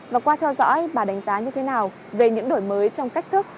và qua theo dõi bà đánh giá như thế nào về những đổi mới trong cách thức